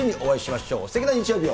すてきな日曜日を。